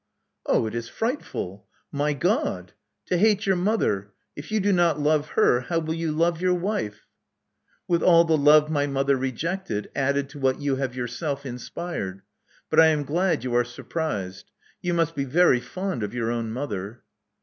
0h, it is frightful. My God! To hate your mother ! I f you do no t lov^ ,h.er*. how w^ll y^n Invg _' your wife?*'^ ^.'' With all the love my mother rejected, added to what ^^ ^f^ have yourself inspired. But I am glad you are sur prised. You must be very fond of your own mother.